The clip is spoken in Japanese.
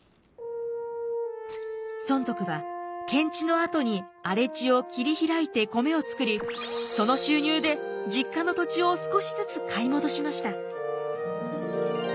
尊徳は検地のあとに荒れ地を切り開いて米を作りその収入で実家の土地を少しずつ買い戻しました。